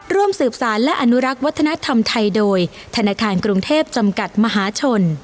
ร่วมสืบสารและอนุรักษ์วัฒนธรรมไทยโดยธนาคารกรุงเทพจำกัดมหาชน